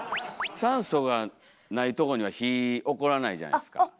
酸素がないとこには火おこらないじゃないですか。